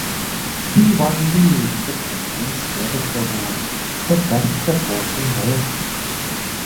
He won the Independent Spirit Award for Best Supporting Male.